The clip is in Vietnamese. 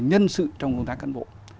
nhân sự trong công tác căn bộ